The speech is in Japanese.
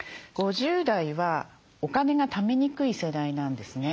５０代はお金がためにくい世代なんですね。